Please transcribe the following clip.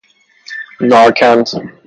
نارکند